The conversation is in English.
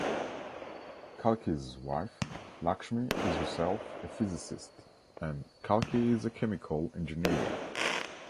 Kalki's wife Lakshmi is herself a physicist, and Kalki is a chemical engineer.